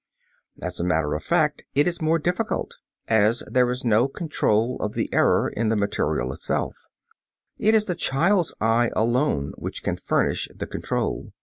As a matter of fact, it is more difficult, as there is no control of the error in the material itself. It is the child's eye alone which can furnish the control.